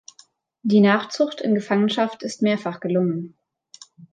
Die Nachzucht in Gefangenschaft ist mehrfach gelungen.